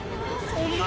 ・そんな！